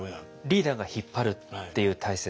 リーダーが引っ張るっていう大切さ。